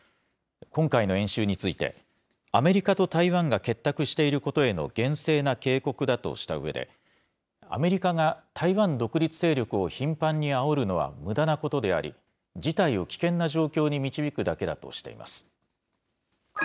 今回の演習について、アメリカと台湾が結託していることへの厳正な警告だとしたうえで、アメリカが台湾独立勢力を頻繁にあおるのはむだなことであり、事態を危険な状況に導くだけだとしています。